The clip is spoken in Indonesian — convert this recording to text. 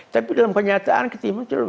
tapi dalam kenyataan ketimpang sosial ekonomi